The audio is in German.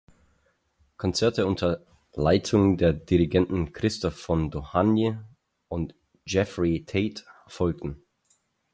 Konzerte unter Leitung der Dirigenten Christoph von Dohnanyi und Jeffrey Tate folgten.